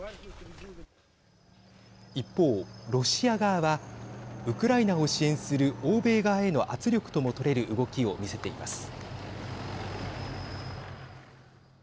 一方、ロシア側はウクライナを支援する欧米側への圧力とも取れる動きを見せています。